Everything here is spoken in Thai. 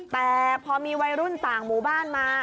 แต่พอมีวัยรุ่นต่างหมู่บ้านมา